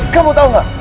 kamu tau gak